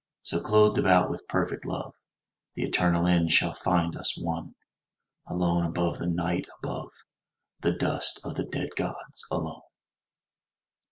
So, clothed about with perfect love, The eternal end shall find us one, Alone above the Night, above The dust of the dead gods, alone.